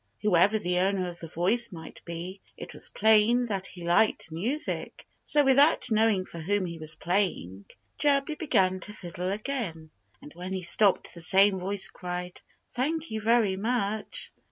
Whoever the owner of the voice might be, it was plain that he liked music. So without knowing for whom he was playing, Chirpy began to fiddle again. And when he stopped the same voice cried, "Thank you very much!"